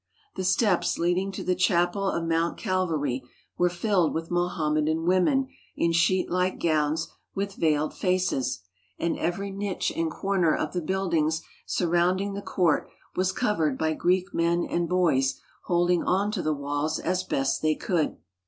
The steps leading to the chapel of Mount Calvary were filled with Mo hammedan women in sheet like gowns with veiled faces, and every niche and corner of the buildings surrounding the court was covered by Greek men and boys holding on to the walls as best they could.